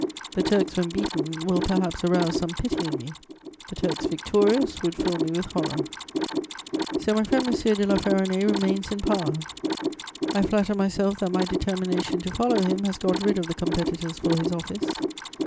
The Turks, when beaten, will perhaps arouse some pity in me; the Turks victorious would fill me with horror. "So my friend M. de La Ferronnays remains in power. I flatter myself that my determination to follow him has got rid of the competitors for his office.